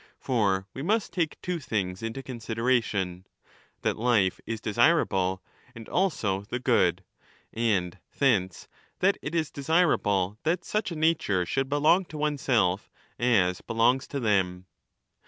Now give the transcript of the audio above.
For we must take two things into con sideration, that life is desirable and also the good, and thence 35 that it is desirable that such a nature should belong to oneself^ as belongs to them.